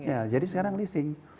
ya jadi sekarang leasing